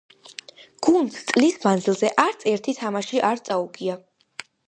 გუნდს წლის მანძილზე არც ერთი თამაში არ წაუგია.